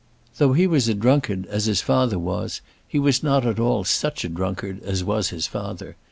Though he was a drunkard as his father was, he was not at all such a drunkard as was his father.